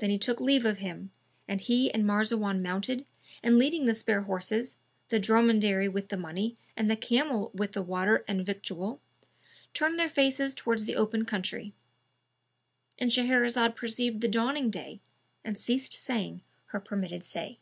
Then he took leave of him, and he and Marzawan mounted and leading the spare horses, the dromedary with the money and the camel with the water and victual, turned their faces towards the open country;—And Shahrazad perceived the dawning day and ceased saying her permitted say.